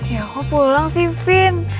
ya kok pulang sih vin